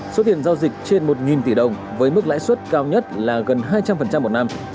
số tiền giao dịch trên một tỷ đồng với mức lãi suất cao nhất là gần hai trăm linh một năm